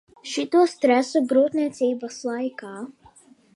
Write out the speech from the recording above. Šito stresu grūtniecības laikā.